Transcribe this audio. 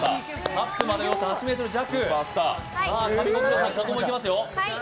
カップまでおよそ８ｍ弱。